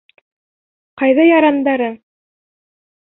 Ҡайҙа ярандарың?